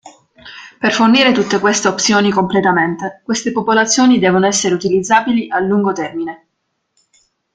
Per fornire tutte queste opzioni completamente, queste popolazioni devono essere utilizzabili a lungo termine.